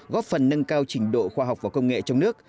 góp phần nâng cao trình độ khoa học và công nghệ trong nước